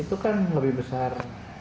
itu kan lebih besar